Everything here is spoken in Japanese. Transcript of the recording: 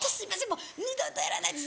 もう二度とやらないです